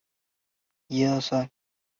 曼绒县的学校主要由曼绒县教育局管辖。